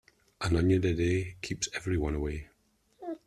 An onion a day keeps everyone away.